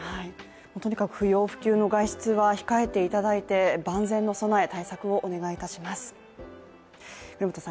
とにかく不要不急の外出は控えていただいて、万全の備え、対策をお願いいたします。